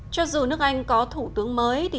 cho dù nước anh có thủ tướng mới